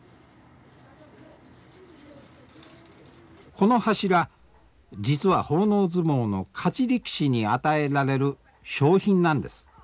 この柱実は奉納相撲の勝ち力士に与えられる賞品なんです。